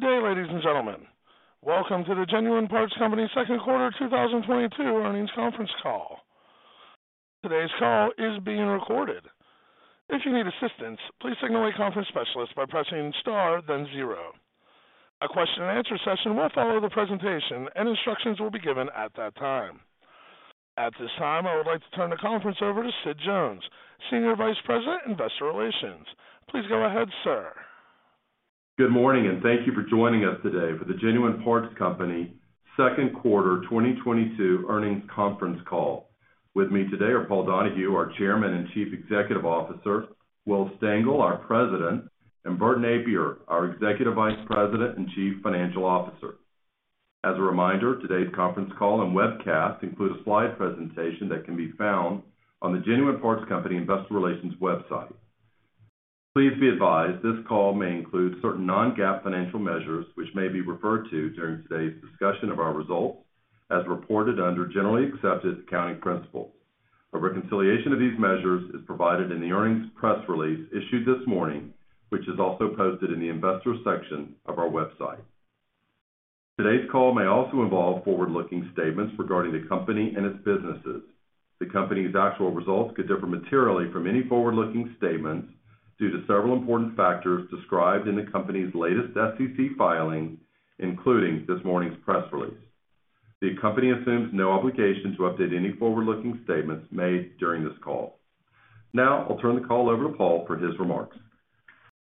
Good day, ladies and gentlemen. Welcome to the Genuine Parts Company Second Quarter 2022 Earnings Conference Call. Today's call is being recorded. If you need assistance, please signal a conference specialist by pressing star then zero. A question-and-answer session will follow the presentation, and instructions will be given at that time. At this time, I would like to turn the conference over to Sid Jones, Senior Vice President, Investor Relations. Please go ahead, sir. Good morning, and thank you for joining us today for the Genuine Parts Company Second Quarter 2022 Earnings Conference Call. With me today are Paul Donahue, our Chairman and Chief Executive Officer, Will Stengel, our President, and Bert Nappier, our Executive Vice President and Chief Financial Officer. As a reminder, today's conference call and webcast include a slide presentation that can be found on the Genuine Parts Company Investor Relations website. Please be advised, this call may include certain non-GAAP financial measures which may be referred to during today's discussion of our results as reported under generally accepted accounting principles. A reconciliation of these measures is provided in the earnings press release issued this morning, which is also posted in the investor section of our website. Today's call may also involve forward-looking statements regarding the company and its businesses. The company's actual results could differ materially from any forward-looking statements due to several important factors described in the company's latest SEC filing, including this morning's press release. The company assumes no obligation to update any forward-looking statements made during this call. Now, I'll turn the call over to Paul for his remarks.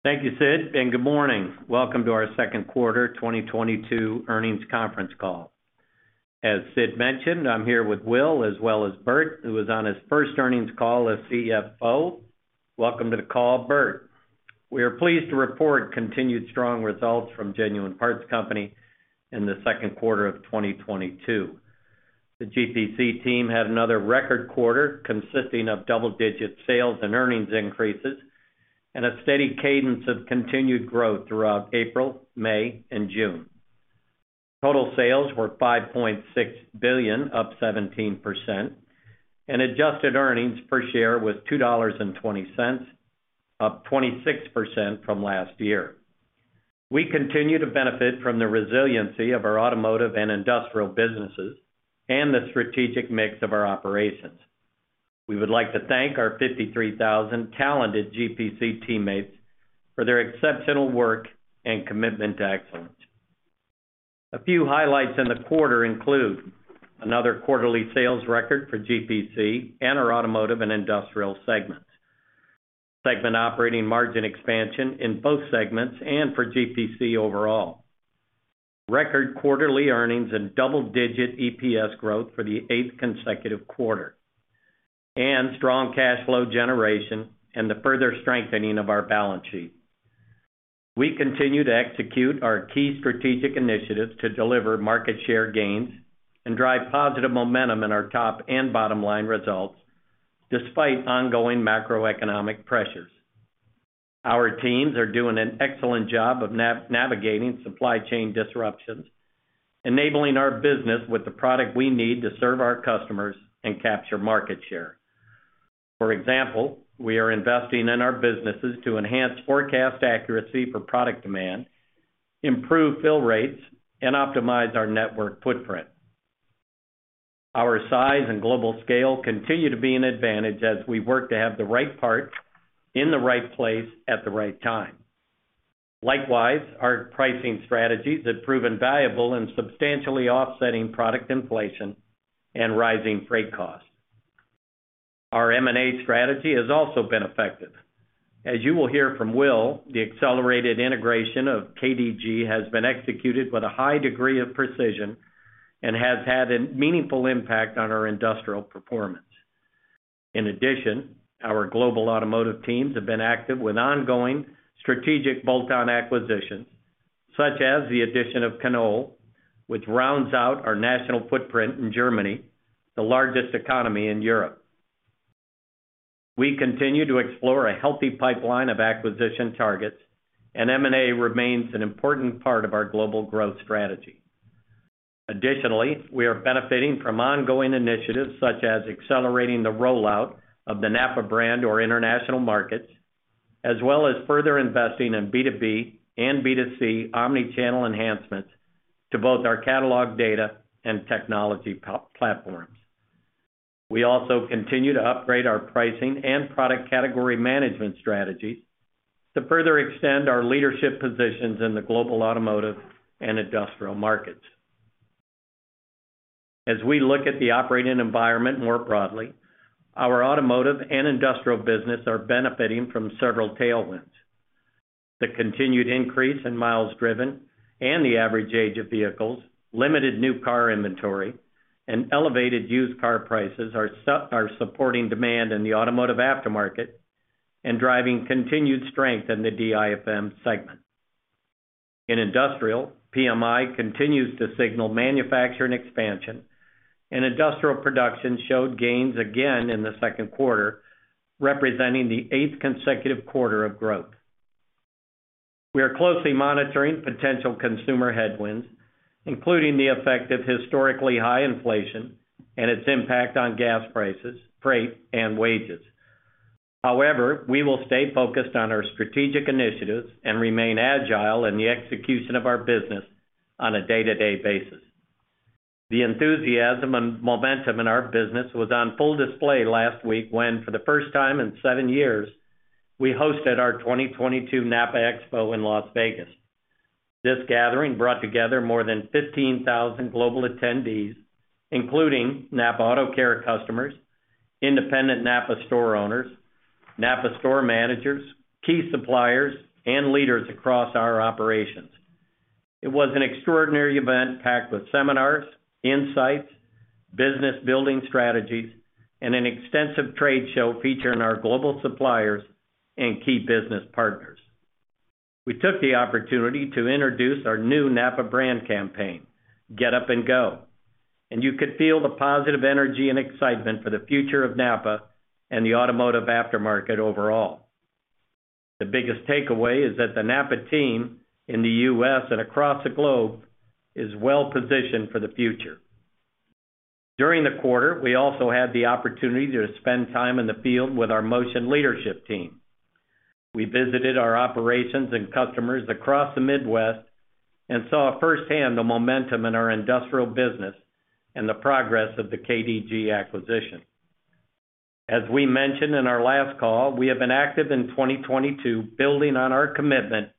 Thank you, Sid, and good morning. Welcome to our second quarter 2022 earnings conference call. As Sid mentioned, I'm here with Will, as well as Bert, who is on his first earnings call as CFO. Welcome to the call, Bert. We are pleased to report continued strong results from Genuine Parts Company in the second quarter of 2022. The GPC team had another record quarter consisting of double-digit sales and earnings increases and a steady cadence of continued growth throughout April, May, and June. Total sales were $5.6 billion, up 17%, and adjusted earnings per share was $2.20, up 26% from last year. We continue to benefit from the resiliency of our automotive and industrial businesses and the strategic mix of our operations. We would like to thank our 53,000 talented GPC teammates for their exceptional work and commitment to excellence. A few highlights in the quarter include another quarterly sales record for GPC and our automotive and industrial segments. Segment operating margin expansion in both segments and for GPC overall. Record quarterly earnings and double-digit EPS growth for the eighth consecutive quarter, and strong cash flow generation and the further strengthening of our balance sheet. We continue to execute our key strategic initiatives to deliver market share gains and drive positive momentum in our top and bottom line results despite ongoing macroeconomic pressures. Our teams are doing an excellent job of navigating supply chain disruptions, enabling our business with the product we need to serve our customers and capture market share. For example, we are investing in our businesses to enhance forecast accuracy for product demand, improve fill rates, and optimize our network footprint. Our size and global scale continue to be an advantage as we work to have the right part in the right place at the right time. Likewise, our pricing strategies have proven valuable in substantially offsetting product inflation and rising freight costs. Our M&A strategy has also been effective. As you will hear from Will, the accelerated integration of KDG has been executed with a high degree of precision and has had a meaningful impact on our industrial performance. In addition, our global automotive teams have been active with ongoing strategic bolt-on acquisitions, such as the addition of Knoll, which rounds out our national footprint in Germany, the largest economy in Europe. We continue to explore a healthy pipeline of acquisition targets, and M&A remains an important part of our global growth strategy. Additionally, we are benefiting from ongoing initiatives such as accelerating the rollout of the NAPA brand in international markets, as well as further investing in B2B and B2C omni-channel enhancements to both our catalog data and technology platforms. We also continue to upgrade our pricing and product category management strategies to further extend our leadership positions in the global automotive and industrial markets. As we look at the operating environment more broadly, our automotive and industrial business are benefiting from several tailwinds. The continued increase in miles driven and the average age of vehicles, limited new car inventory and elevated used car prices are supporting demand in the automotive aftermarket and driving continued strength in the DIFM segment. In industrial, PMI continues to signal manufacturing expansion, and industrial production showed gains again in the second quarter, representing the eighth consecutive quarter of growth. We are closely monitoring potential consumer headwinds, including the effect of historically high inflation and its impact on gas prices, freight, and wages. However, we will stay focused on our strategic initiatives and remain agile in the execution of our business on a day-to-day basis. The enthusiasm and momentum in our business was on full display last week when, for the first time in seven years, we hosted our 2022 NAPA EXPO in Las Vegas. This gathering brought together more than 15,000 global attendees, including NAPA AutoCare customers, independent NAPA store owners, NAPA store managers, key suppliers, and leaders across our operations. It was an extraordinary event packed with seminars, insights, business-building strategies, and an extensive trade show featuring our global suppliers and key business partners. We took the opportunity to introduce our new NAPA brand campaign, Get Up and Go, and you could feel the positive energy and excitement for the future of NAPA and the automotive aftermarket overall. The biggest takeaway is that the NAPA team in the U.S. and across the globe is well-positioned for the future. During the quarter, we also had the opportunity to spend time in the field with our Motion leadership team. We visited our operations and customers across the Midwest and saw firsthand the momentum in our industrial business and the progress of the KDG acquisition. As we mentioned in our last call, we have been active in 2022, building on our commitment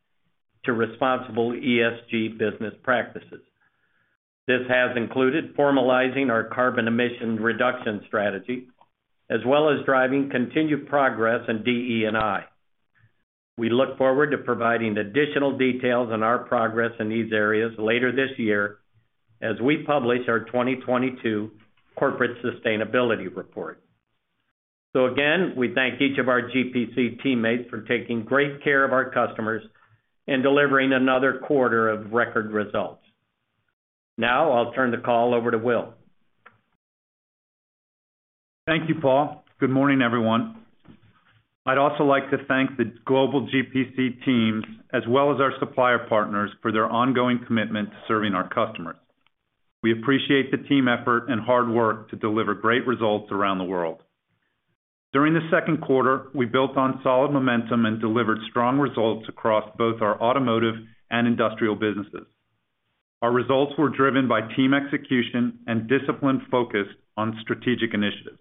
to responsible ESG business practices. This has included formalizing our carbon emission reduction strategy, as well as driving continued progress in DE&I. We look forward to providing additional details on our progress in these areas later this year as we publish our 2022 Corporate Sustainability Report. Again, we thank each of our GPC teammates for taking great care of our customers and delivering another quarter of record results. Now, I'll turn the call over to Will. Thank you, Paul. Good morning, everyone. I'd also like to thank the global GPC teams as well as our supplier partners for their ongoing commitment to serving our customers. We appreciate the team effort and hard work to deliver great results around the world. During the second quarter, we built on solid momentum and delivered strong results across both our automotive and industrial businesses. Our results were driven by team execution and disciplined focus on strategic initiatives.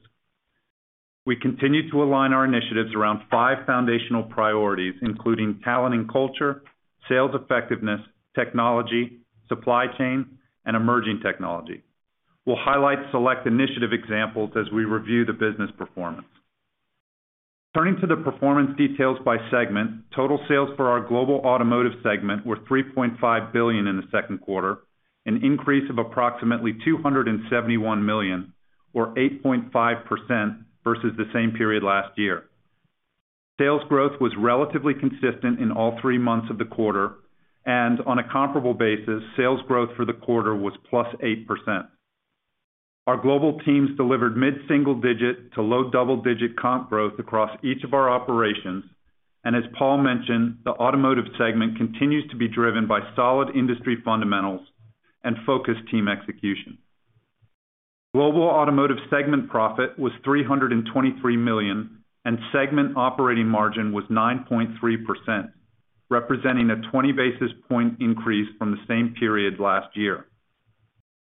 We continue to align our initiatives around five foundational priorities, including talent and culture, sales effectiveness, technology, supply chain, and emerging technology. We'll highlight select initiative examples as we review the business performance. Turning to the performance details by segment, total sales for our global automotive segment were $3.5 billion in the second quarter, an increase of approximately $271 million or 8.5% versus the same period last year. Sales growth was relatively consistent in all three months of the quarter, and on a comparable basis, sales growth for the quarter was +8%. Our global teams delivered mid-single-digit to low double-digit comp growth across each of our operations. As Paul mentioned, the automotive segment continues to be driven by solid industry fundamentals and focused team execution. Global automotive segment profit was $323 million, and segment operating margin was 9.3%, representing a 20 basis point increase from the same period last year.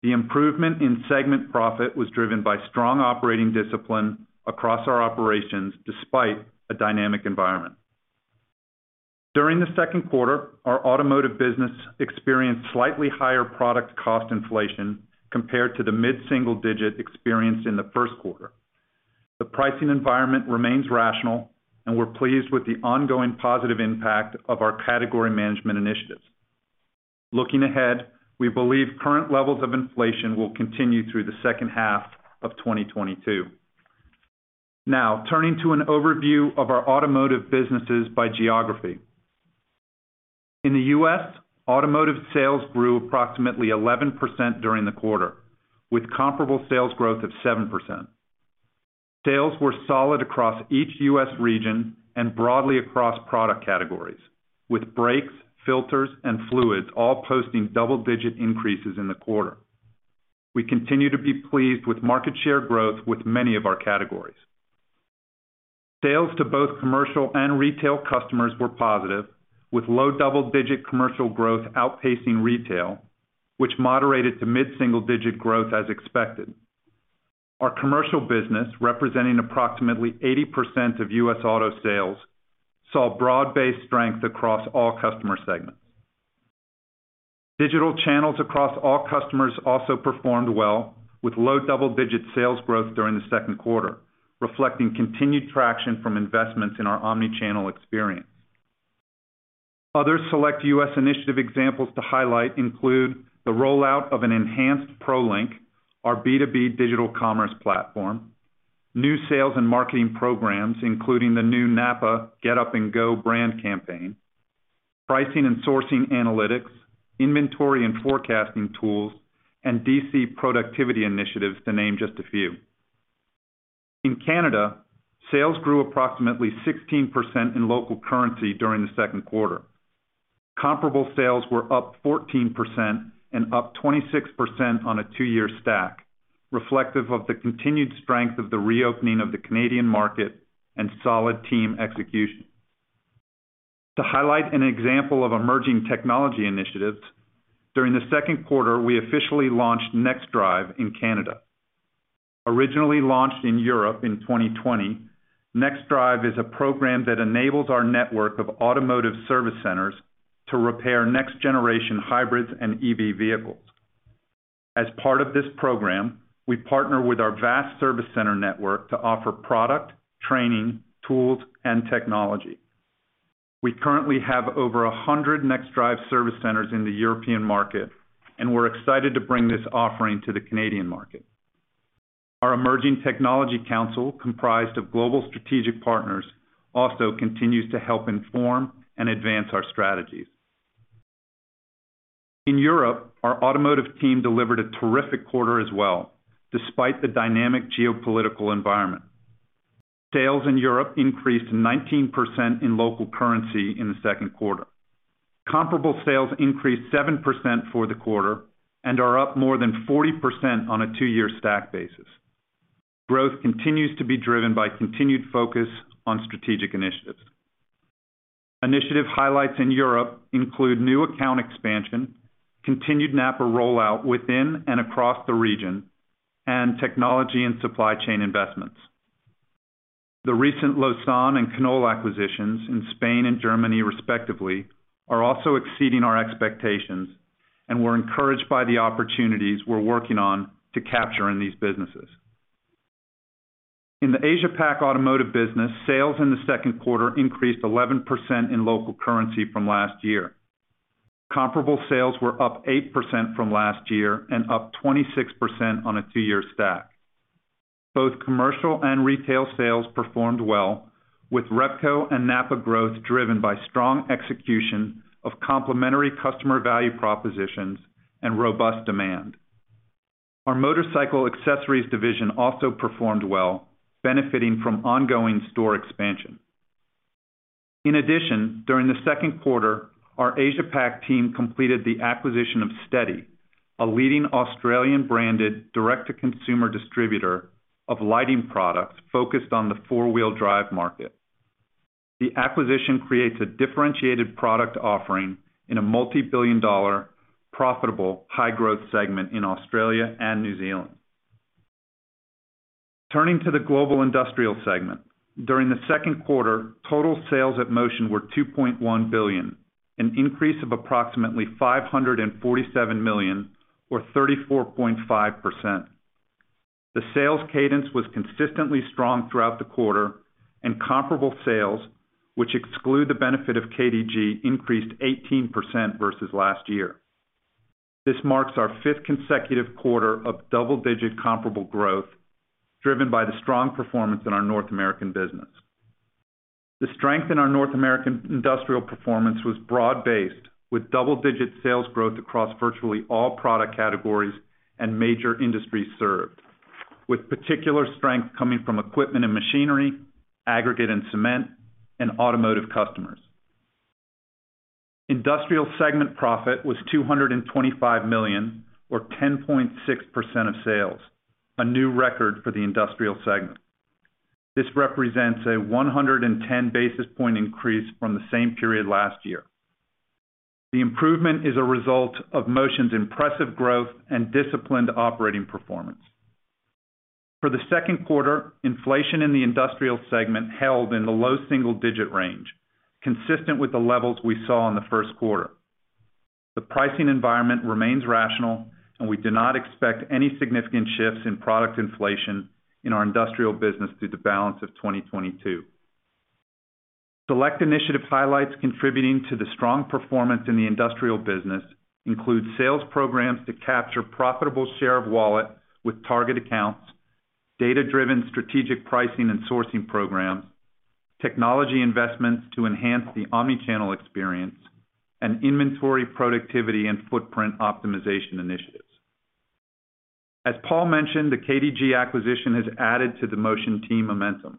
The improvement in segment profit was driven by strong operating discipline across our operations, despite a dynamic environment. During the second quarter, our automotive business experienced slightly higher product cost inflation compared to the mid-single digit experienced in the first quarter. The pricing environment remains rational, and we're pleased with the ongoing positive impact of our category management initiatives. Looking ahead, we believe current levels of inflation will continue through the second half of 2022. Now, turning to an overview of our automotive businesses by geography. In the U.S., automotive sales grew approximately 11% during the quarter, with comparable sales growth of 7%. Sales were solid across each U.S. region and broadly across product categories, with brakes, filters, and fluids all posting double-digit increases in the quarter. We continue to be pleased with market share growth with many of our categories. Sales to both commercial and retail customers were positive, with low double-digit commercial growth outpacing retail, which moderated to mid-single digit growth as expected. Our commercial business, representing approximately 80% of U.S. auto sales, saw broad-based strength across all customer segments. Digital channels across all customers also performed well with low double-digit sales growth during the second quarter, reflecting continued traction from investments in our omni-channel experience. Other select U.S. initiative examples to highlight include the rollout of an enhanced Prolink, our B2B digital commerce platform, new sales and marketing programs, including the new NAPA Get Up and Go brand campaign, pricing and sourcing analytics, inventory and forecasting tools, and DC productivity initiatives to name just a few. In Canada, sales grew approximately 16% in local currency during the second quarter. Comparable sales were up 14% and up 26% on a two-year stack, reflective of the continued strength of the reopening of the Canadian market and solid team execution. To highlight an example of emerging technology initiatives, during the second quarter, we officially launched NexDrive in Canada. Originally launched in Europe in 2020, NexDrive is a program that enables our network of automotive service centers to repair next generation hybrids and EV vehicles. As part of this program, we partner with our vast service center network to offer product, training, tools and technology. We currently have over 100 NexDrive service centers in the European market, and we're excited to bring this offering to the Canadian market. Our Emerging Technology Council, comprised of global strategic partners, also continues to help inform and advance our strategies. In Europe, our automotive team delivered a terrific quarter as well, despite the dynamic geopolitical environment. Sales in Europe increased 19% in local currency in the second quarter. Comparable sales increased 7% for the quarter and are up more than 40% on a two-year stack basis. Growth continues to be driven by continued focus on strategic initiatives. Initiative highlights in Europe include new account expansion, continued NAPA rollout within and across the region, and technology and supply chain investments. The recent Lausan and Knoll acquisitions in Spain and Germany respectively are also exceeding our expectations, and we're encouraged by the opportunities we're working on to capture in these businesses. In the Asia Pac automotive business, sales in the second quarter increased 11% in local currency from last year. Comparable sales were up 8% from last year and up 26% on a two-year stack. Both commercial and retail sales performed well with Repco and NAPA growth driven by strong execution of complementary customer value propositions and robust demand. Our motorcycle accessories division also performed well, benefiting from ongoing store expansion. In addition, during the second quarter, our Asia Pac team completed the acquisition of STEDI, a leading Australian branded direct-to-consumer distributor of lighting products focused on the four-wheel drive market. The acquisition creates a differentiated product offering in a multibillion-dollar profitable high-growth segment in Australia and New Zealand. Turning to the global industrial segment. During the second quarter, total sales at Motion were $2.1 billion, an increase of approximately $547 million or 34.5%. The sales cadence was consistently strong throughout the quarter, and comparable sales, which exclude the benefit of KDG, increased 18% versus last year. This marks our fifth consecutive quarter of double-digit comparable growth, driven by the strong performance in our North American business. The strength in our North American industrial performance was broad-based, with double-digit sales growth across virtually all product categories and major industries served, with particular strength coming from equipment and machinery, aggregate and cement, and automotive customers. Industrial segment profit was $225 million, or 10.6% of sales, a new record for the industrial segment. This represents a 110 basis point increase from the same period last year. The improvement is a result of Motion's impressive growth and disciplined operating performance. For the second quarter, inflation in the industrial segment held in the low single-digit range, consistent with the levels we saw in the first quarter. The pricing environment remains rational, and we do not expect any significant shifts in product inflation in our industrial business through the balance of 2022. Select initiative highlights contributing to the strong performance in the industrial business include sales programs to capture profitable share of wallet with target accounts, data-driven strategic pricing and sourcing programs, technology investments to enhance the omnichannel experience, and inventory productivity and footprint optimization initiatives. As Paul mentioned, the KDG acquisition has added to the Motion team momentum.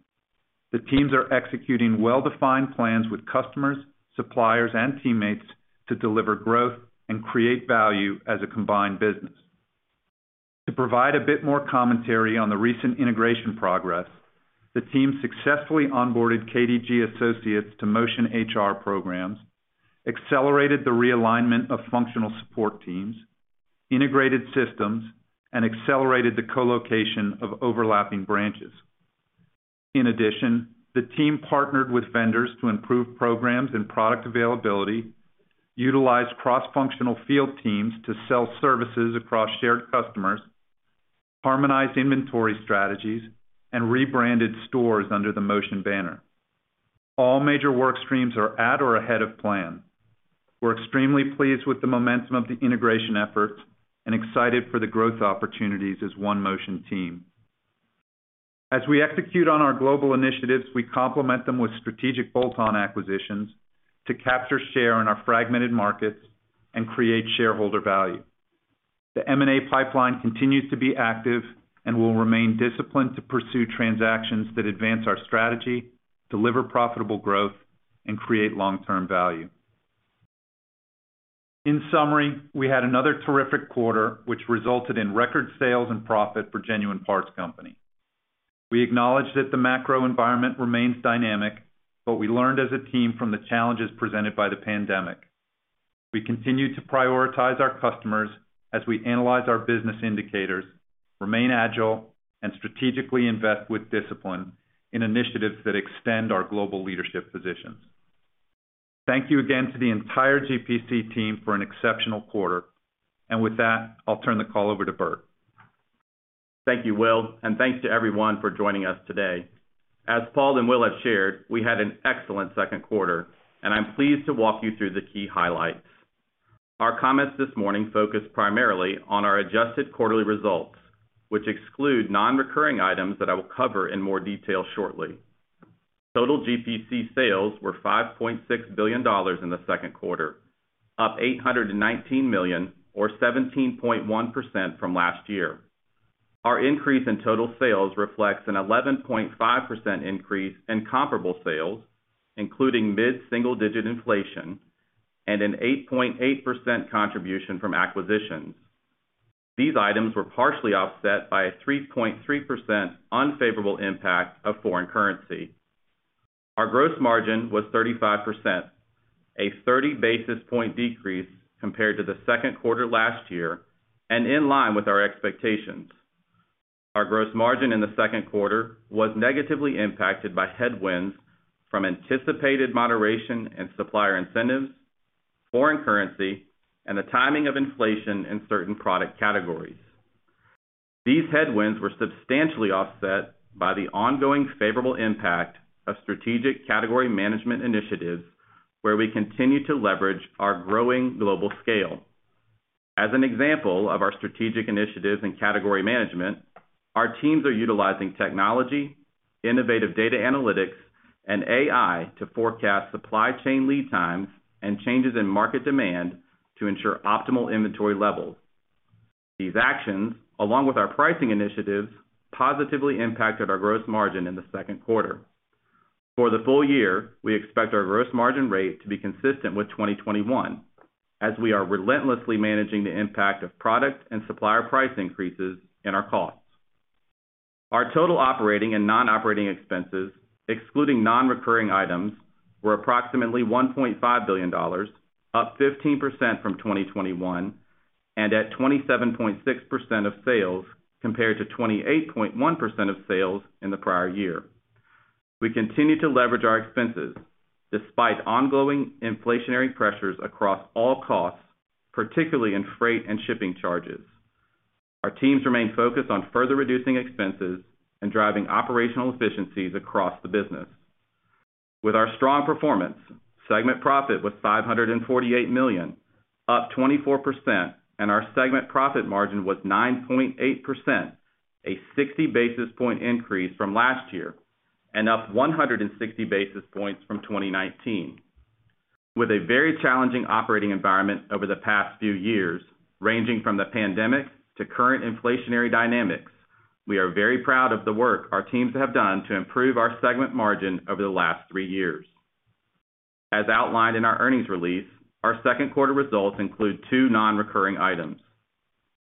The teams are executing well-defined plans with customers, suppliers, and teammates to deliver growth and create value as a combined business. To provide a bit more commentary on the recent integration progress, the team successfully onboarded KDG associates to Motion HR programs, accelerated the realignment of functional support teams, integrated systems, and accelerated the co-location of overlapping branches. In addition, the team partnered with vendors to improve programs and product availability, utilized cross-functional field teams to sell services across shared customers, harmonized inventory strategies, and rebranded stores under the Motion banner. All major work streams are at or ahead of plan. We're extremely pleased with the momentum of the integration efforts and excited for the growth opportunities as one Motion team. As we execute on our global initiatives, we complement them with strategic bolt-on acquisitions to capture share in our fragmented markets and create shareholder value. The M&A pipeline continues to be active and we'll remain disciplined to pursue transactions that advance our strategy, deliver profitable growth and create long-term value. In summary, we had another terrific quarter, which resulted in record sales and profit for Genuine Parts Company. We acknowledge that the macro environment remains dynamic, but we learned as a team from the challenges presented by the pandemic. We continue to prioritize our customers as we analyze our business indicators, remain agile and strategically invest with discipline in initiatives that extend our global leadership positions. Thank you again to the entire GPC team for an exceptional quarter. With that, I'll turn the call over to Bert. Thank you, Will, and thanks to everyone for joining us today. As Paul and Will have shared, we had an excellent second quarter, and I'm pleased to walk you through the key highlights. Our comments this morning focus primarily on our adjusted quarterly results, which exclude non-recurring items that I will cover in more detail shortly. Total GPC sales were $5.6 billion in the second quarter, up $819 million or 17.1% from last year. Our increase in total sales reflects an 11.5% increase in comparable sales, including mid-single-digit inflation and an 8.8% contribution from acquisitions. These items were partially offset by a 3.3% unfavorable impact of foreign currency. Our gross margin was 35%, a 30 basis point decrease compared to the second quarter last year and in line with our expectations. Our gross margin in the second quarter was negatively impacted by headwinds from anticipated moderation in supplier incentives, foreign currency, and the timing of inflation in certain product categories. These headwinds were substantially offset by the ongoing favorable impact of strategic category management initiatives where we continue to leverage our growing global scale. As an example of our strategic initiatives in category management, our teams are utilizing technology, innovative data analytics and AI to forecast supply chain lead times and changes in market demand to ensure optimal inventory levels. These actions, along with our pricing initiatives, positively impacted our gross margin in the second quarter. For the full year, we expect our gross margin rate to be consistent with 2021 as we are relentlessly managing the impact of product and supplier price increases in our costs. Our total operating and non-operating expenses, excluding non-recurring items, were approximately $1.5 billion, up 15% from 2021 and at 27.6% of sales compared to 28.1% of sales in the prior year. We continue to leverage our expenses despite ongoing inflationary pressures across all costs, particularly in freight and shipping charges. Our teams remain focused on further reducing expenses and driving operational efficiencies across the business. With our strong performance, segment profit was $548 million, up 24% and our segment profit margin was 9.8%, a 60 basis point increase from last year and up 160 basis points from 2019. With a very challenging operating environment over the past few years, ranging from the pandemic to current inflationary dynamics, we are very proud of the work our teams have done to improve our segment margin over the last three years. As outlined in our earnings release, our second quarter results include two non-recurring items.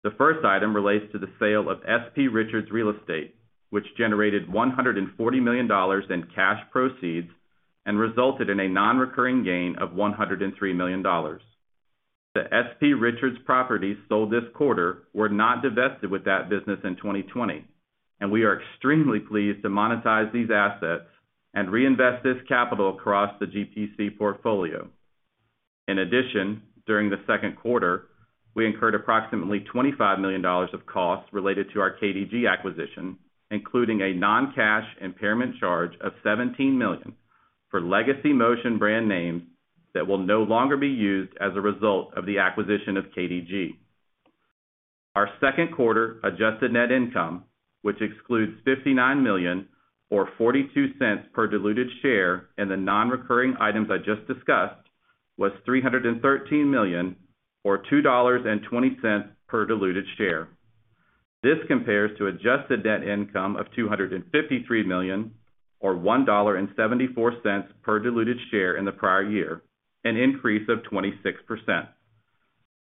The first item relates to the sale of S.P. Richards real estate, which generated $140 million in cash proceeds and resulted in a non-recurring gain of $103 million. The S.P. Richards properties sold this quarter were not divested with that business in 2020, and we are extremely pleased to monetize these assets and reinvest this capital across the GPC portfolio. In addition, during the second quarter, we incurred approximately $25 million of costs related to our KDG acquisition, including a non-cash impairment charge of $17 million for legacy Motion brand names that will no longer be used as a result of the acquisition of KDG. Our second quarter adjusted net income, which excludes $59 million or $0.42 per diluted share in the non-recurring items I just discussed, was $313 million or $2.20 per diluted share. This compares to adjusted net income of $253 million or $1.74 per diluted share in the prior year, an increase of 26%.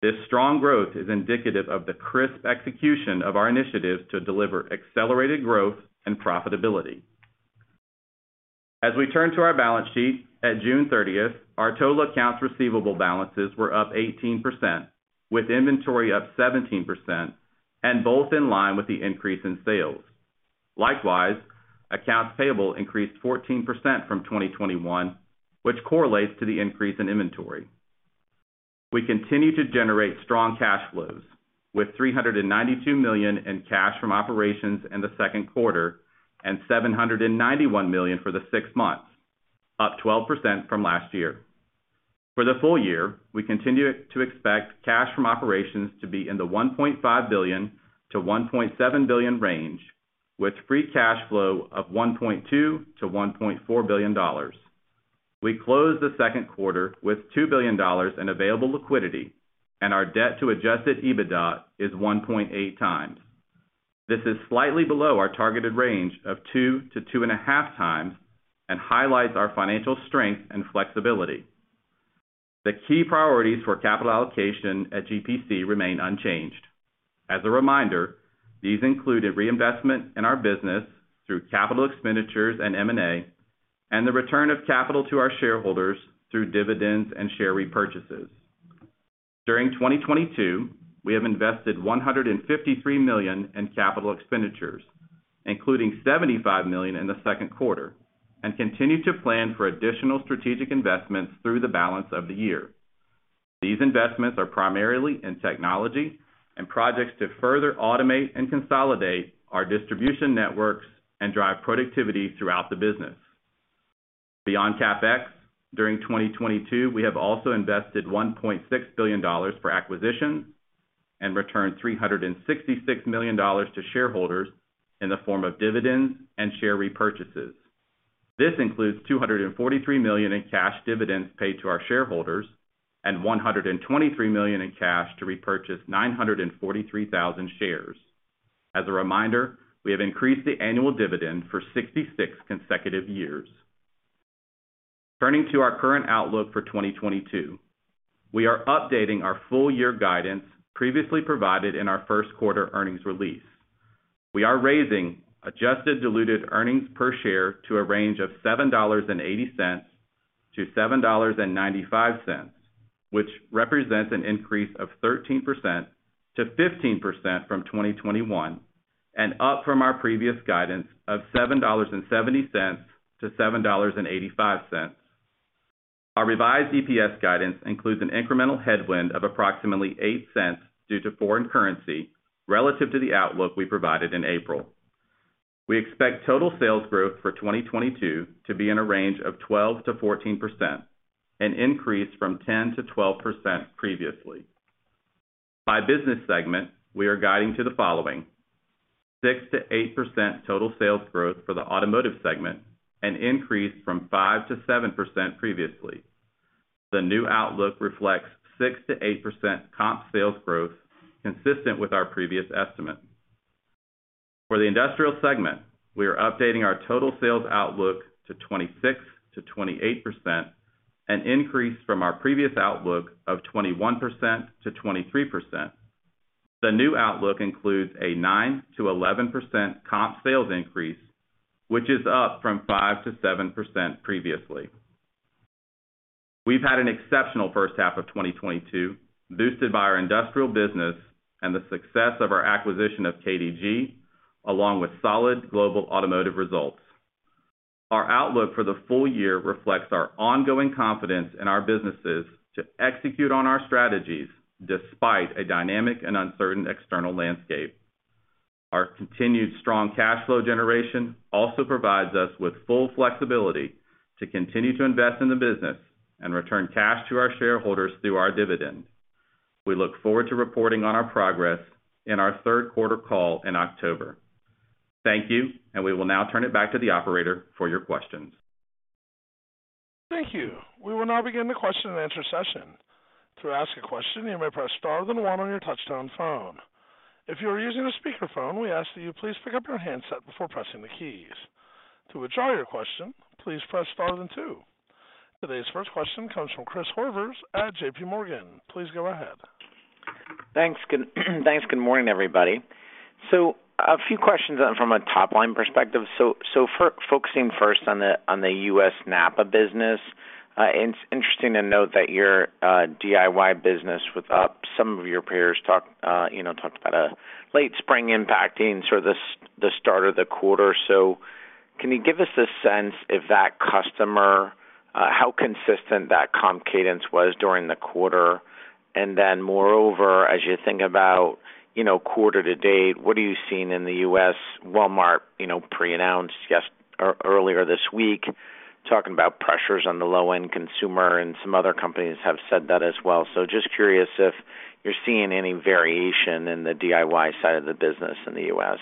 This strong growth is indicative of the crisp execution of our initiatives to deliver accelerated growth and profitability. As we turn to our balance sheet, at June 30th, our total accounts receivable balances were up 18%, with inventory up 17% and both in line with the increase in sales. Likewise, accounts payable increased 14% from 2021, which correlates to the increase in inventory. We continue to generate strong cash flows with $392 million in cash from operations in the second quarter and $791 million for the six months, up 12% from last year. For the full year, we continue to expect cash from operations to be in the $1.5 billion-$1.7 billion range, with free cash flow of $1.2 billion-$1.4 billion. We closed the second quarter with $2 billion in available liquidity, and our debt to adjusted EBITDA is 1.8x. This is slightly below our targeted range of 2x-2.5x and highlights our financial strength and flexibility. The key priorities for capital allocation at GPC remain unchanged. As a reminder, these included reinvestment in our business through capital expenditures and M&A, and the return of capital to our shareholders through dividends and share repurchases. During 2022, we have invested $153 million in capital expenditures, including $75 million in the second quarter, and continue to plan for additional strategic investments through the balance of the year. These investments are primarily in technology and projects to further automate and consolidate our distribution networks and drive productivity throughout the business. Beyond CapEx, during 2022, we have also invested $1.6 billion for acquisitions and returned $366 million to shareholders in the form of dividends and share repurchases. This includes $243 million in cash dividends paid to our shareholders and $123 million in cash to repurchase 943,000 shares. As a reminder, we have increased the annual dividend for 66 consecutive years. Turning to our current outlook for 2022, we are updating our full year guidance previously provided in our first quarter earnings release. We are raising adjusted diluted earnings per share to a range of $7.80-$7.95, which represents an increase of 13%-15% from 2021 and up from our previous guidance of $7.70-$7.85. Our revised EPS guidance includes an incremental headwind of approximately $0.08 due to foreign currency relative to the outlook we provided in April. We expect total sales growth for 2022 to be in a range of 12%-14%, an increase from 10%-12% previously. By business segment, we are guiding to the following: 6%-8% total sales growth for the Automotive segment, an increase from 5%-7% previously. The new outlook reflects 6%-8% comp sales growth consistent with our previous estimate. For the Industrial segment, we are updating our total sales outlook to 26%-28%, an increase from our previous outlook of 21%-23%. The new outlook includes a 9%-11% comp sales increase, which is up from 5%-7% previously. We've had an exceptional first half of 2022, boosted by our Industrial business and the success of our acquisition of KDG, along with solid global automotive results. Our outlook for the full year reflects our ongoing confidence in our businesses to execute on our strategies despite a dynamic and uncertain external landscape. Our continued strong cash flow generation also provides us with full flexibility to continue to invest in the business and return cash to our shareholders through our dividend. We look forward to reporting on our progress in our third quarter call in October. Thank you, and we will now turn it back to the operator for your questions. Thank you. We will now begin the question-and-answer session. To ask a question, you may press star then one on your touch-tone phone. If you are using a speakerphone, we ask that you please pick up your handset before pressing the keys. To withdraw your question, please press star then two. Today's first question comes from Chris Horvers at JPMorgan. Please go ahead. Thanks. Good, thanks. Good morning, everybody. A few questions from a top-line perspective. Focusing first on the U.S. NAPA business, it's interesting to note that your DIY business was up. Some of your peers talked about a late spring impacting the start of the quarter. Can you give us a sense of how consistent that comp cadence was for that customer during the quarter? Moreover, as you think about quarter to date, what are you seeing in the U.S.? Walmart pre-announced earlier this week, talking about pressures on the low-end consumer, and some other companies have said that as well. Just curious if you're seeing any variation in the DIY side of the business in the U.S.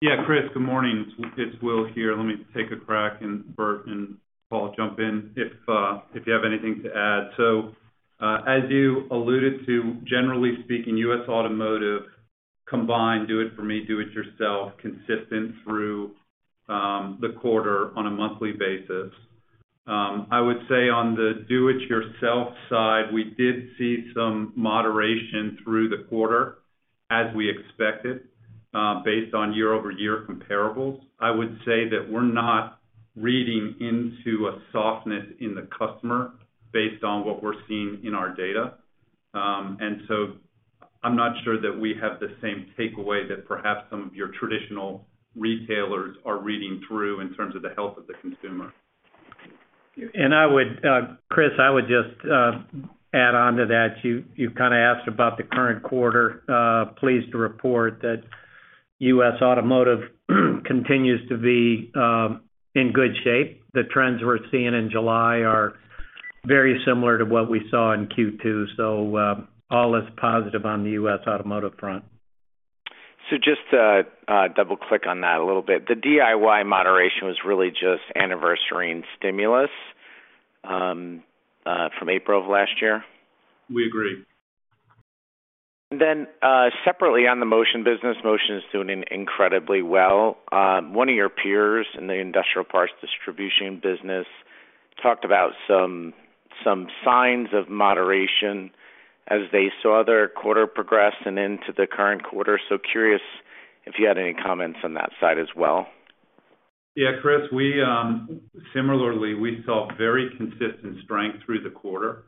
Yeah, Chris, good morning. It's Will here. Let me take a crack, and Bert and Paul jump in if you have anything to add. As you alluded to, generally speaking, U.S. Automotive combined do it for me, do it yourself, consistent through the quarter on a monthly basis. I would say on the do it yourself side, we did see some moderation through the quarter, as we expected, based on year-over-year comparables. I would say that we're not reading into a softness in the customer based on what we're seeing in our data. I'm not sure that we have the same takeaway that perhaps some of your traditional retailers are reading through in terms of the health of the consumer. I would, Chris, just add on to that. You kinda asked about the current quarter. Pleased to report that U.S. Automotive continues to be in good shape. The trends we're seeing in July are very similar to what we saw in Q2. All is positive on the U.S. Automotive front. Just to double click on that a little bit, the DIY moderation was really just anniversary and stimulus from April of last year? We agree. Separately on the Motion business, Motion is doing incredibly well. One of your peers in the industrial parts distribution business talked about some signs of moderation as they saw their quarter progress and into the current quarter. Curious if you had any comments on that side as well. Yeah, Chris, similarly, we saw very consistent strength through the quarter.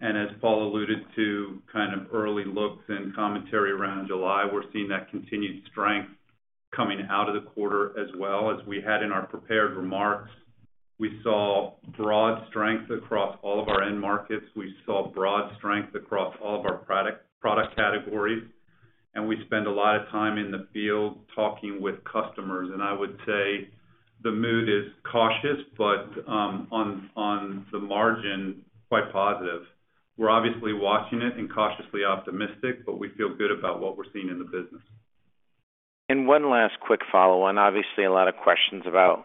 As Paul alluded to kind of early looks and commentary around July, we're seeing that continued strength coming out of the quarter as well as we had in our prepared remarks. We saw broad strength across all of our end markets. We saw broad strength across all of our product categories, and we spend a lot of time in the field talking with customers. I would say the mood is cautious, but on the margin, quite positive. We're obviously watching it and cautiously optimistic, but we feel good about what we're seeing in the business. One last quick follow on. Obviously, a lot of questions about,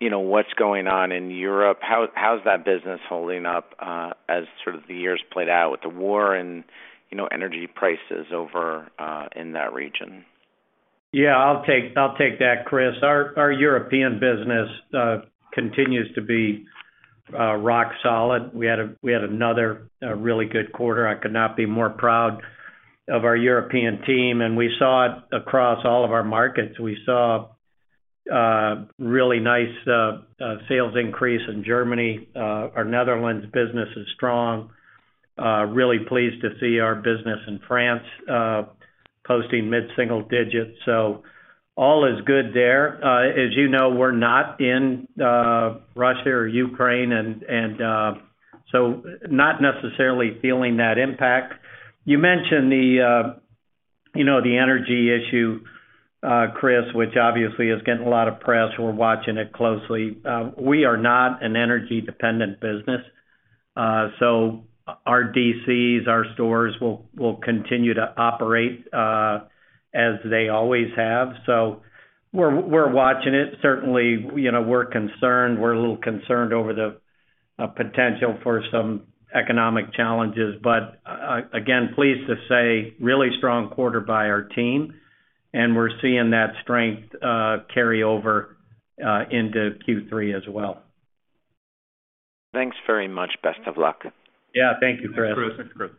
you know, what's going on in Europe. How's that business holding up, as sort of the year's played out with the war and, you know, energy prices over in that region? Yeah, I'll take that, Chris. Our European business continues to be rock solid. We had another really good quarter. I could not be more proud of our European team, and we saw it across all of our markets. We saw really nice sales increase in Germany. Our Netherlands business is strong. Really pleased to see our business in France posting mid-single digits. All is good there. As you know, we're not in Russia or Ukraine and so not necessarily feeling that impact. You mentioned, you know, the energy issue, Chris, which obviously is getting a lot of press. We're watching it closely. We are not an energy-dependent business, so our DCs, our stores will continue to operate as they always have. We're watching it. Certainly, you know, we're concerned. We're a little concerned over the potential for some economic challenges, but again, pleased to say, really strong quarter by our team, and we're seeing that strength carry over into Q3 as well. Thanks very much. Best of luck. Yeah. Thank you, Chris. Thanks, Chris.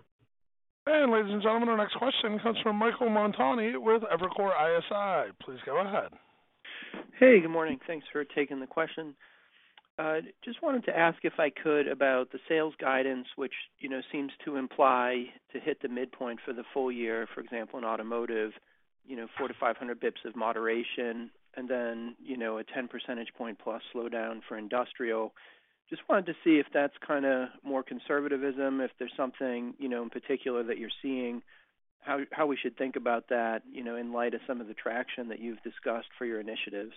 Ladies and gentlemen, our next question comes from Michael Montani with Evercore ISI. Please go ahead. Hey, good morning. Thanks for taking the question. Just wanted to ask, if I could, about the sales guidance, which, you know, seems to imply to hit the midpoint for the full year, for example, in automotive, you know, 400-500 basis points of moderation and then, you know, a 10 percentage points plus slowdown for industrial. Just wanted to see if that's kinda more conservatism, if there's something, you know, in particular that you're seeing, how we should think about that, you know, in light of some of the traction that you've discussed for your initiatives.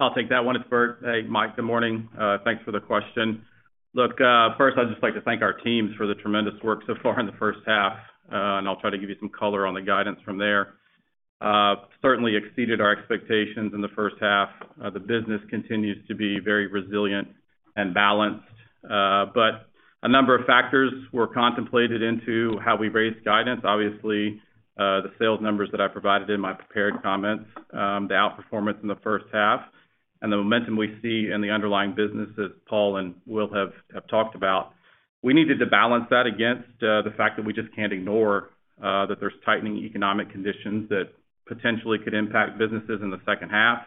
I'll take that one. It's Bert. Hey, Mike, good morning. Thanks for the question. Look, first, I'd just like to thank our teams for the tremendous work so far in the first half, and I'll try to give you some color on the guidance from there. Certainly exceeded our expectations in the first half. The business continues to be very resilient and balanced. But a number of factors were contemplated into how we raised guidance. Obviously, the sales numbers that I provided in my prepared comments, the outperformance in the first half and the momentum we see in the underlying businesses Paul and Will have talked about. We needed to balance that against, the fact that we just can't ignore, that there's tightening economic conditions that potentially could impact businesses in the second half.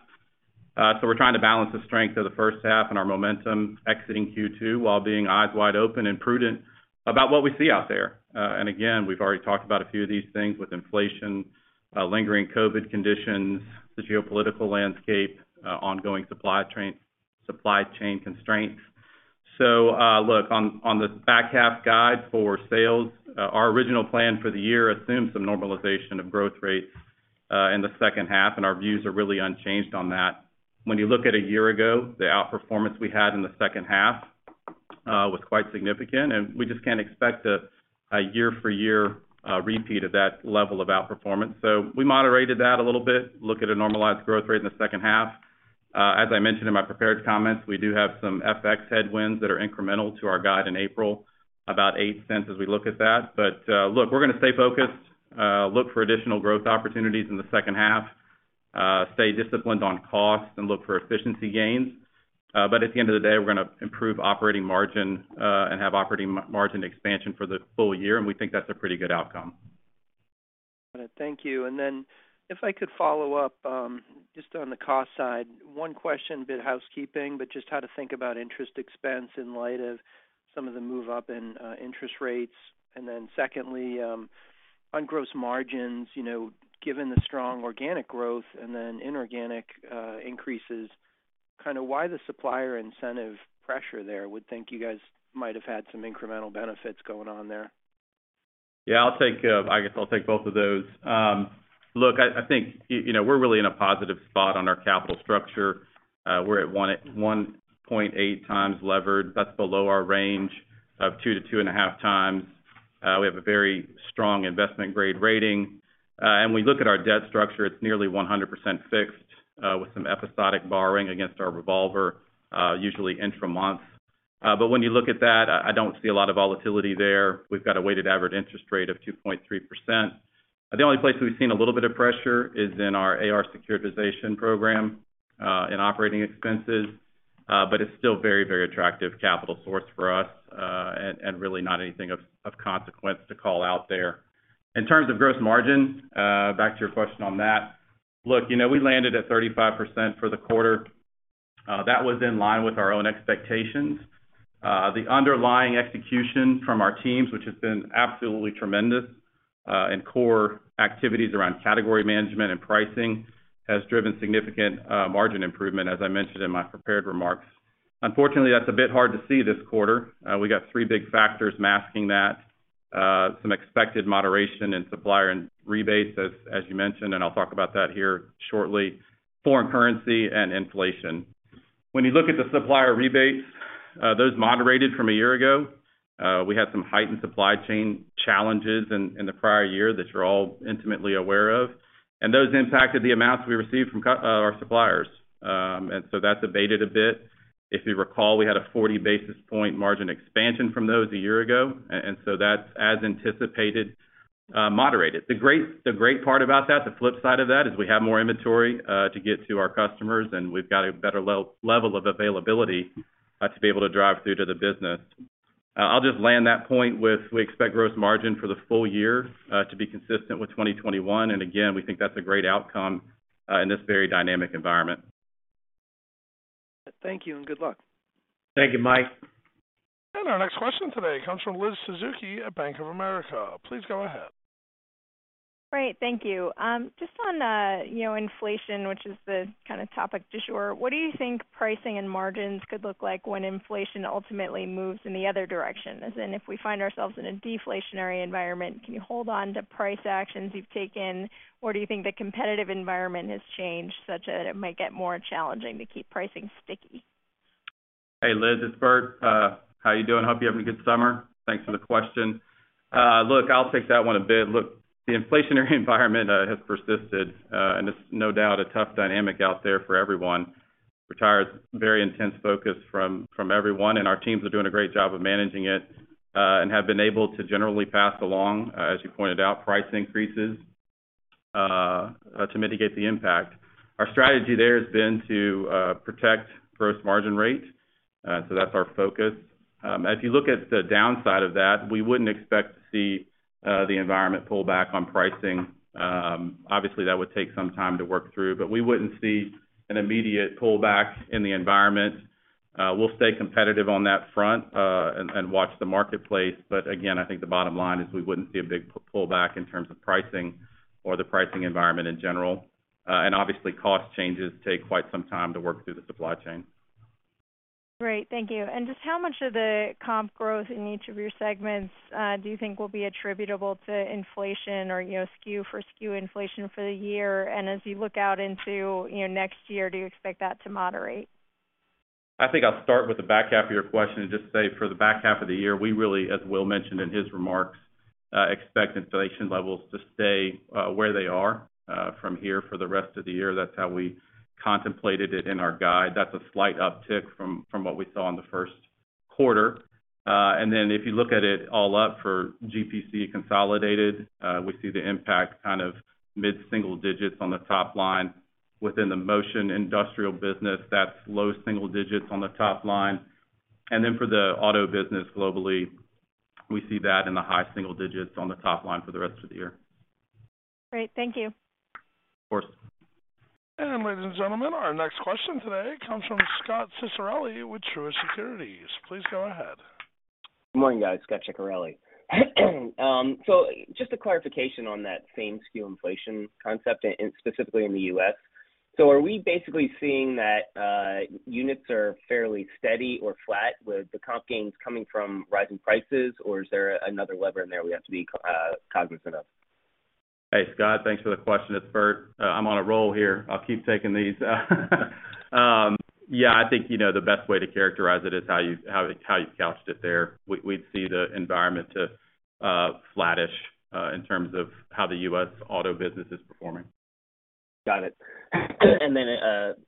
We're trying to balance the strength of the first half and our momentum exiting Q2 while being eyes wide open and prudent about what we see out there. Again, we've already talked about a few of these things with inflation, lingering COVID conditions, the geopolitical landscape, ongoing supply chain constraints. Look, on the back half guide for sales, our original plan for the year assumes some normalization of growth rates in the second half, and our views are really unchanged on that. When you look at a year ago, the outperformance we had in the second half was quite significant, and we just can't expect a year-for-year repeat of that level of outperformance. We moderated that a little bit. Look at a normalized growth rate in the second half. As I mentioned in my prepared comments, we do have some FX headwinds that are incremental to our guide in April, about $0.08 as we look at that. Look, we're gonna stay focused, look for additional growth opportunities in the second half, stay disciplined on cost, and look for efficiency gains. At the end of the day, we're gonna improve operating margin, and have operating margin expansion for the full year, and we think that's a pretty good outcome. Got it. Thank you. If I could follow up, just on the cost side. One question, a bit housekeeping, but just how to think about interest expense in light of some of the move-up in interest rates. Secondly, on gross margins, you know, given the strong organic growth and then inorganic increases, kind of why the supplier incentive pressure there? Would think you guys might have had some incremental benefits going on there. Yeah, I'll take, I guess I'll take both of those. Look, I think, you know, we're really in a positive spot on our capital structure. We're at 1.8x levered. That's below our range of 2x-2.5x. We have a very strong investment-grade rating. And we look at our debt structure, it's nearly 100% fixed, with some episodic borrowing against our revolver, usually intra-month. But when you look at that, I don't see a lot of volatility there. We've got a weighted average interest rate of 2.3%. The only place that we've seen a little bit of pressure is in our AR securitization program, in operating expenses. It's still very, very attractive capital source for us, and really not anything of consequence to call out there. In terms of gross margin, back to your question on that. Look, you know, we landed at 35% for the quarter. That was in line with our own expectations. The underlying execution from our teams, which has been absolutely tremendous, and core activities around category management and pricing has driven significant margin improvement, as I mentioned in my prepared remarks. Unfortunately, that's a bit hard to see this quarter. We got three big factors masking that. Some expected moderation in supplier rebates, as you mentioned, and I'll talk about that here shortly, foreign currency and inflation. When you look at the supplier rebates, those moderated from a year ago. We had some heightened supply chain challenges in the prior year that you're all intimately aware of, and those impacted the amounts we received from our suppliers. That's abated a bit. If you recall, we had a 40 basis point margin expansion from those a year ago, and so that's, as anticipated, moderated. The great part about that, the flip side of that, is we have more inventory to get to our customers, and we've got a better level of availability to be able to drive through to the business. I'll just land that point with. We expect gross margin for the full year to be consistent with 2021, and again, we think that's a great outcome in this very dynamic environment. Thank you, and good luck. Thank you, Mike. Our next question today comes from Liz Suzuki at Bank of America. Please go ahead. Great. Thank you. Just on, you know, inflation, which is the kind of topic du jour, what do you think pricing and margins could look like when inflation ultimately moves in the other direction? As in, if we find ourselves in a deflationary environment, can you hold on to price actions you've taken, or do you think the competitive environment has changed such that it might get more challenging to keep pricing sticky? Hey, Liz, it's Bert. How you doing? Hope you're having a good summer. Thanks for the question. Look, I'll take that one a bit. Look, the inflationary environment has persisted, and it's no doubt a tough dynamic out there for everyone. Requires very intense focus from everyone, and our teams are doing a great job of managing it and have been able to generally pass along, as you pointed out, price increases to mitigate the impact. Our strategy there has been to protect gross margin rate. So that's our focus. As you look at the downside of that, we wouldn't expect to see the environment pull back on pricing. Obviously, that would take some time to work through, but we wouldn't see an immediate pullback in the environment. We'll stay competitive on that front, and watch the marketplace. Again, I think the bottom line is we wouldn't see a big pullback in terms of pricing or the pricing environment in general. Obviously, cost changes take quite some time to work through the supply chain. Great. Thank you. Just how much of the comp growth in each of your segments, do you think will be attributable to inflation or, you know, SKU for SKU inflation for the year? As you look out into, you know, next year, do you expect that to moderate? I think I'll start with the back half of your question and just say, for the back half of the year, we really, as Will mentioned in his remarks, expect inflation levels to stay, where they are, from here for the rest of the year. That's how we contemplated it in our guide. That's a slight uptick from what we saw in the first quarter. Then if you look at it all up for GPC consolidated, we see the impact kind of mid-single digits on the top line within the Motion industrial business that's low single digits on the top line. For the auto business globally, we see that in the high single digits on the top line for the rest of the year. Great. Thank you. Of course. Ladies and gentlemen, our next question today comes from Scot Ciccarelli with Truist Securities. Please go ahead. Good morning, guys. Scot Ciccarelli. Just a clarification on that same SKU inflation concept in the U.S. Are we basically seeing that units are fairly steady or flat with the comp gains coming from rising prices, or is there another lever in there we have to be cognizant of? Hey, Scot, thanks for the question. It's Bert. I'm on a roll here. I'll keep taking these. Yeah, I think, you know, the best way to characterize it is how you couched it there. We'd see the environment to flattish in terms of how the U.S. auto business is performing. Got it. Then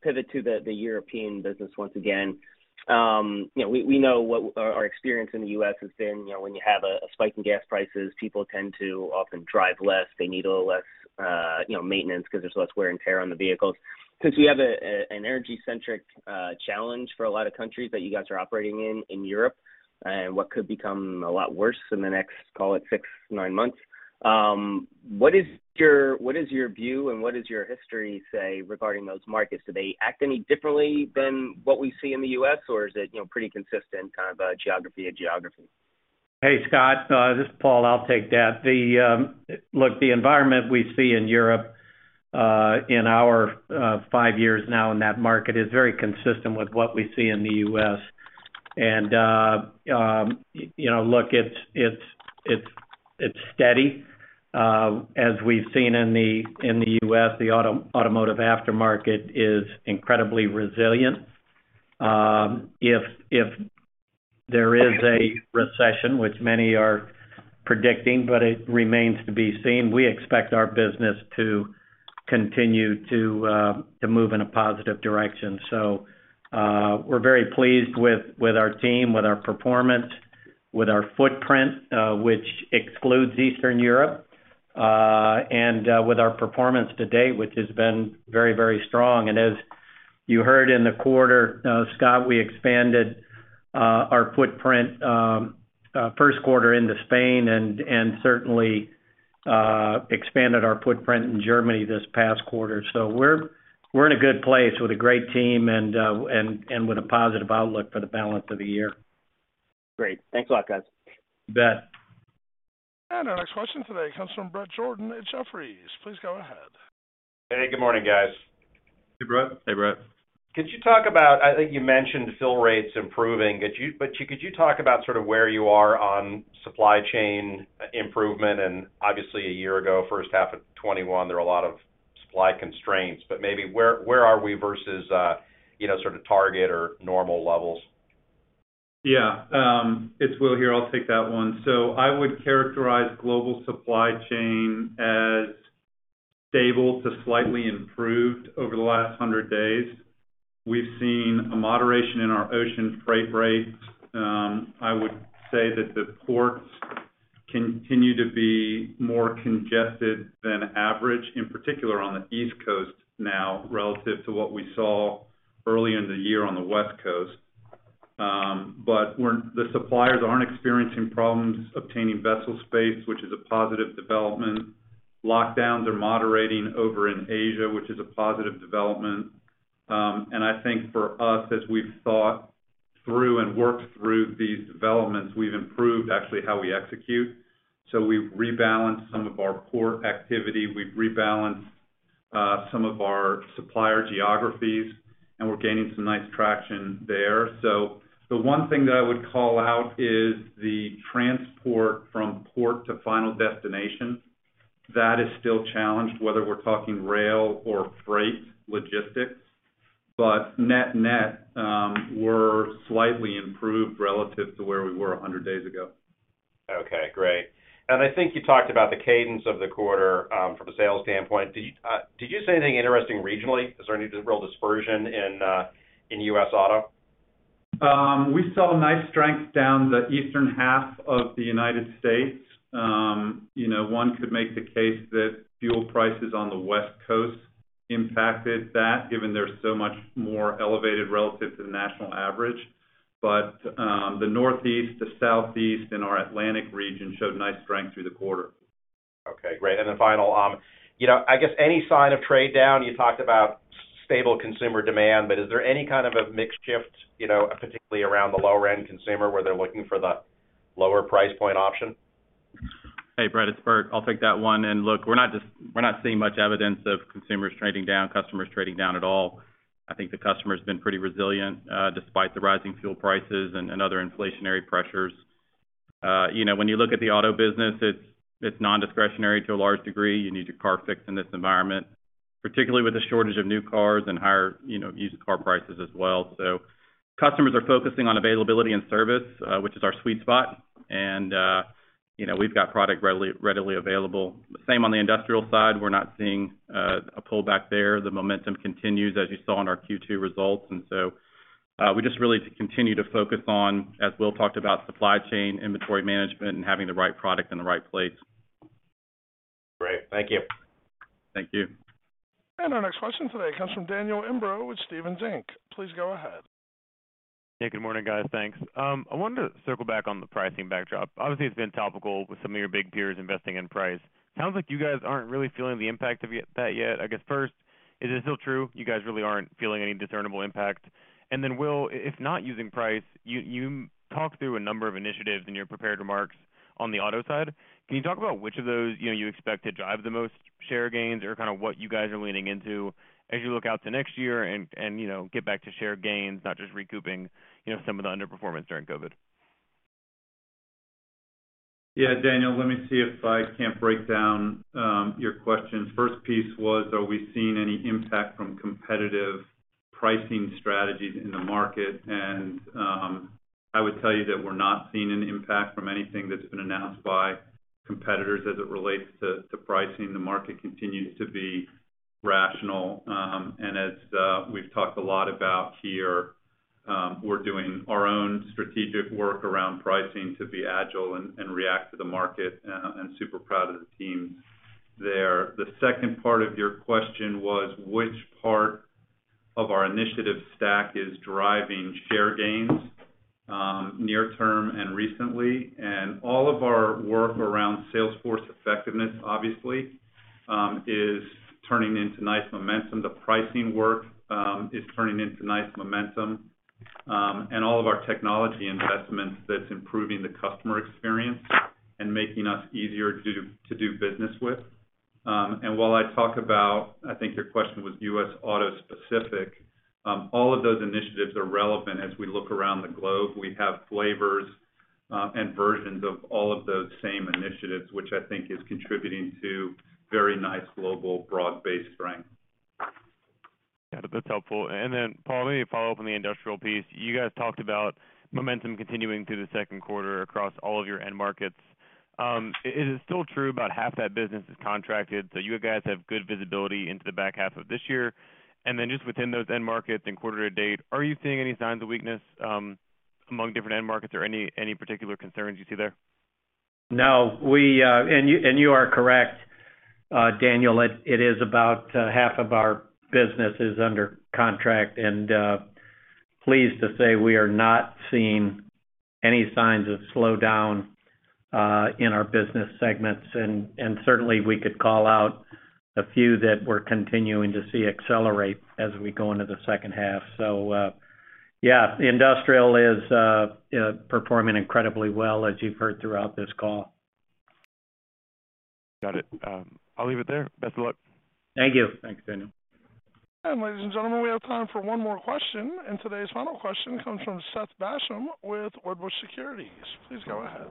pivot to the European business once again. You know, we know what our experience in the U.S. has been. You know, when you have a spike in gas prices, people tend to often drive less. They need a little less, you know, maintenance because there's less wear and tear on the vehicles. Since you have an energy-centric challenge for a lot of countries that you guys are operating in Europe, and what could become a lot worse in the next, call it, six, nine months, what is your view and what does your history say regarding those markets? Do they act any differently than what we see in the U.S., or is it, you know, pretty consistent kind of geography to geography? Hey, Scot. This is Paul. I'll take that. Look, the environment we see in Europe. In our five years now in that market is very consistent with what we see in the U.S. You know, look, it's steady. As we've seen in the U.S., the automotive aftermarket is incredibly resilient. If there is a recession, which many are predicting, but it remains to be seen, we expect our business to continue to move in a positive direction. We're very pleased with our team, with our performance, with our footprint, which excludes Eastern Europe, and with our performance to date, which has been very strong. As you heard in the quarter, Scot, we expanded our footprint first quarter into Spain and certainly expanded our footprint in Germany this past quarter. We're in a good place with a great team and with a positive outlook for the balance of the year. Great. Thanks a lot, guys. You bet. Our next question today comes from Bret Jordan at Jefferies. Please go ahead. Hey, good morning, guys. Hey, Bret. Hey, Bret. I think you mentioned fill rates improving, but could you talk about sort of where you are on supply chain improvement? Obviously, a year ago, first half of 2021, there were a lot of supply constraints, but maybe where are we versus you know sort of target or normal levels? Yeah. It's Will here. I'll take that one. I would characterize global supply chain as stable to slightly improved over the last 100 days. We've seen a moderation in our ocean freight rates. I would say that the ports continue to be more congested than average, in particular on the East Coast now relative to what we saw early in the year on the West Coast. The suppliers aren't experiencing problems obtaining vessel space, which is a positive development. Lockdowns are moderating over in Asia, which is a positive development. I think for us, as we've thought through and worked through these developments, we've improved actually how we execute. We've rebalanced some of our port activity, we've rebalanced some of our supplier geographies, and we're gaining some nice traction there. The one thing that I would call out is the transport from port to final destination. That is still challenged, whether we're talking rail or freight logistics. Net-net, we're slightly improved relative to where we were 100 days ago. Okay, great. I think you talked about the cadence of the quarter from a sales standpoint. Did you say anything interesting regionally? Is there any real dispersion in U.S. Auto? We saw nice strength down the eastern half of the United States. You know, one could make the case that fuel prices on the West Coast impacted that, given they're so much more elevated relative to the national average. The Northeast to Southeast and our Atlantic region showed nice strength through the quarter. Okay, great. Final, you know, I guess any sign of trade down, you talked about stable consumer demand, but is there any kind of a mix shift, you know, particularly around the lower-end consumer, where they're looking for the lower price point option? Hey, Bret, it's Bert. I'll take that one. Look, we're not seeing much evidence of consumers trading down, customers trading down at all. I think the customer's been pretty resilient, despite the rising fuel prices and other inflationary pressures. You know, when you look at the auto business, it's nondiscretionary to a large degree. You need your car fixed in this environment, particularly with the shortage of new cars and higher, you know, used car prices as well. Customers are focusing on availability and service, which is our sweet spot. You know, we've got product readily available. Same on the industrial side. We're not seeing a pullback there. The momentum continues as you saw in our Q2 results. We just really continue to focus on, as Will talked about, supply chain, inventory management, and having the right product in the right place. Great. Thank you. Thank you. Our next question today comes from Daniel Imbro with Stephens Inc. Please go ahead. Yeah, good morning, guys. Thanks. I wanted to circle back on the pricing backdrop. Obviously, it's been topical with some of your big peers investing in price. Sounds like you guys aren't really feeling the impact of that yet. I guess first, is it still true you guys really aren't feeling any discernible impact? Then Will, if not using price, you talked through a number of initiatives in your prepared remarks on the auto side. Can you talk about which of those, you know, you expect to drive the most share gains or kind of what you guys are leaning into as you look out to next year and you know, get back to share gains, not just recouping, you know, some of the underperformance during COVID? Yeah, Daniel, let me see if I can break down your questions. First piece was, are we seeing any impact from competitive pricing strategies in the market? I would tell you that we're not seeing an impact from anything that's been announced by competitors as it relates to pricing. The market continues to be rational. As we've talked a lot about here, we're doing our own strategic work around pricing to be agile and react to the market, and super proud of the team there. The second part of your question was which part of our initiative stack is driving share gains near term and recently. All of our work around sales force effectiveness, obviously, is turning into nice momentum. The pricing work is turning into nice momentum. All of our technology investments that's improving the customer experience and making us easier to do business with. While I talk about, I think your question was U.S. Auto specific, all of those initiatives are relevant as we look around the globe. We have flavors and versions of all of those same initiatives, which I think is contributing to very nice global broad-based strength. Yeah. That's helpful. Paul, let me follow up on the industrial piece. You guys talked about momentum continuing through the second quarter across all of your end markets. Is it still true about half that business is contracted, so you guys have good visibility into the back half of this year? Just within those end markets in quarter to date, are you seeing any signs of weakness among different end markets or any particular concerns you see there? No, you are correct, Daniel. It is about half of our business is under contract, and pleased to say we are not seeing any signs of slowdown in our business segments. Certainly we could call out a few that we're continuing to see accelerate as we go into the second half. Yeah, the industrial is performing incredibly well as you've heard throughout this call. Got it. I'll leave it there. Best of luck. Thank you. Thanks, Daniel. Ladies and gentlemen, we have time for one more question, and today's final question comes from Seth Basham with Wedbush Securities. Please go ahead.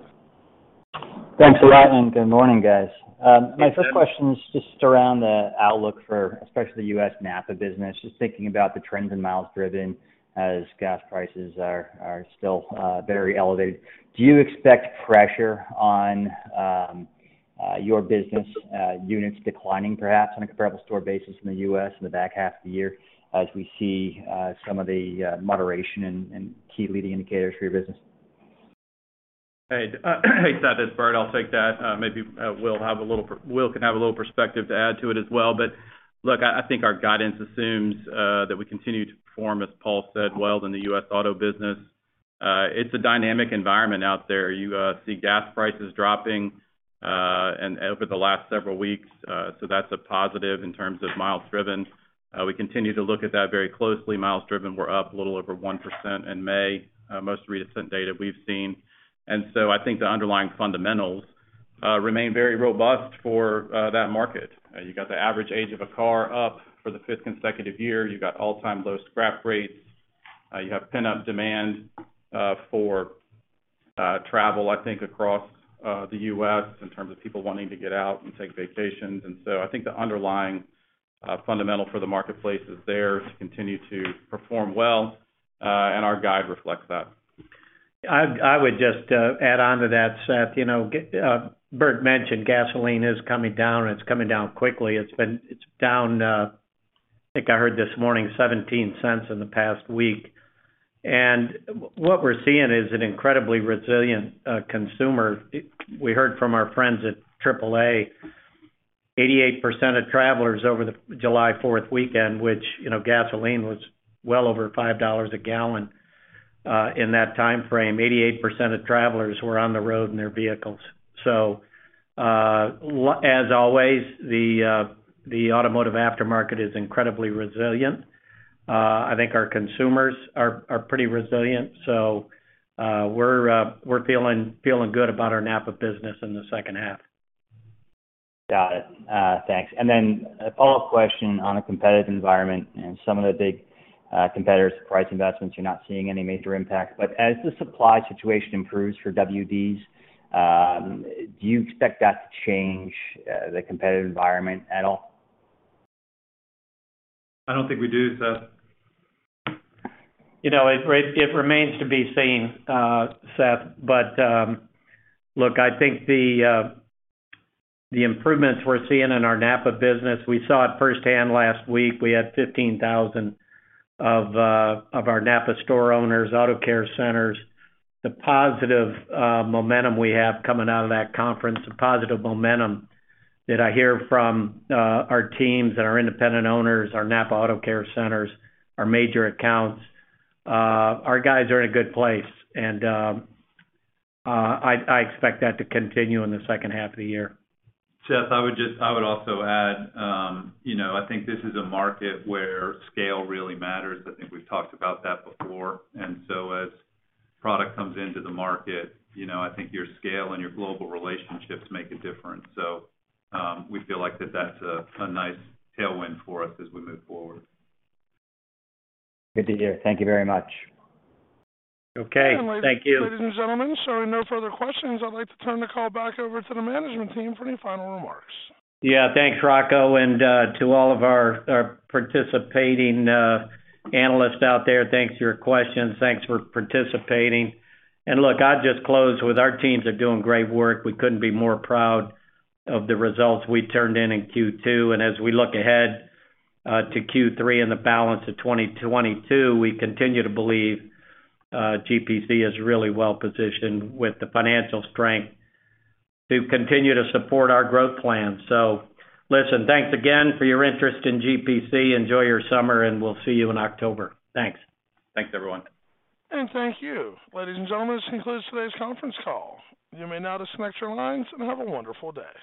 Thanks a lot, and good morning, guys. Hey, Seth. My first question is just around the outlook for especially the U.S. NAPA business. Just thinking about the trends in miles driven as gas prices are still very elevated. Do you expect pressure on your business units declining perhaps on a comparable store basis in the U.S. in the back half of the year as we see some of the moderation in key leading indicators for your business? Hey, Seth. It's Bert. I'll take that. Maybe Will can have a little perspective to add to it as well. But look, I think our guidance assumes that we continue to perform, as Paul said, well in the U.S. Auto business. It's a dynamic environment out there. You see gas prices dropping and over the last several weeks, so that's a positive in terms of miles driven. We continue to look at that very closely. Miles driven were up a little over 1% in May, most recent data we've seen. I think the underlying fundamentals remain very robust for that market. You got the average age of a car up for the fifth consecutive year. You've got all-time low scrap rates. You have pent-up demand for travel, I think, across the U.S. in terms of people wanting to get out and take vacations. I think the underlying fundamental for the marketplace is there to continue to perform well, and our guide reflects that. I would just add on to that, Seth, you know, Bert mentioned gasoline is coming down, and it's coming down quickly. It's down, I think I heard this morning, $0.17 in the past week. What we're seeing is an incredibly resilient consumer. We heard from our friends at AAA, 88% of travelers over the July 4th weekend, which, you know, gasoline was well over $5 a gallon in that timeframe, 88% of travelers were on the road in their vehicles. As always, the automotive aftermarket is incredibly resilient. I think our consumers are pretty resilient. We're feeling good about our NAPA business in the second half. Got it. Thanks. A follow-up question on a competitive environment and some of the big competitors price investments, you're not seeing any major impact. As the supply situation improves for WDs, do you expect that to change the competitive environment at all? I don't think we do, Seth. You know, it remains to be seen, Seth. Look, I think the improvements we're seeing in our NAPA business. We saw it firsthand last week. We had 15,000 of our NAPA store owners, AutoCare Centers. The positive momentum we have coming out of that conference, the positive momentum that I hear from our teams and our independent owners, our NAPA AutoCare Centers, our major accounts. Our guys are in a good place, and I expect that to continue in the second half of the year. Seth, I would also add, you know, I think this is a market where scale really matters. I think we've talked about that before. As product comes into the market, you know, I think your scale and your global relationships make a difference. So, we feel like that's a nice tailwind for us as we move forward. Good to hear. Thank you very much. Okay. Thank you. Ladies and gentlemen, so no further questions. I'd like to turn the call back over to the management team for any final remarks. Yeah. Thanks, Rocco. To all of our participating analysts out there, thanks for your questions. Thanks for participating. Look, I'll just close with our teams are doing great work. We couldn't be more proud of the results we turned in in Q2. As we look ahead to Q3 and the balance of 2022, we continue to believe GPC is really well-positioned with the financial strength to continue to support our growth plan. Listen, thanks again for your interest in GPC. Enjoy your summer, and we'll see you in October. Thanks. Thanks, everyone. Thank you. Ladies and gentlemen, this concludes today's conference call. You may now disconnect your lines and have a wonderful day.